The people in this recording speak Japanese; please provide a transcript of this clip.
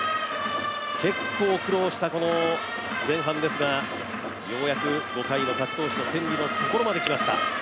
結構苦労したこの前半ですが、ようやく５回を勝ち投手の権利を手に入れました。